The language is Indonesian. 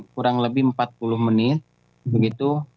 kurang lebih empat puluh menit begitu